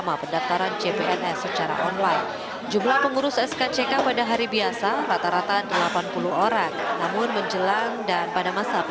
mbak isda antri dari jam berapa mbak